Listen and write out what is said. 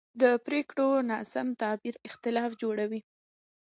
د پرېکړو ناسم تعبیر اختلاف جوړوي